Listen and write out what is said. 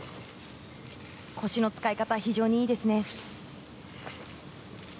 腰の使い方、非常にいいですね。